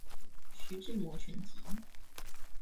徐志摩全集